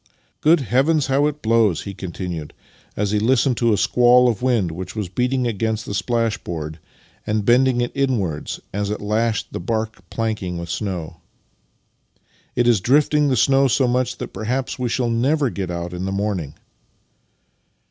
" Good heavens, how it blows !" he continued as he listened to a squall of wind which was beating against the splashboard and bending it inwards as it lashed the bark planking with snow. " It is drifting the snow so much that perhaps we shall never get out in the morning."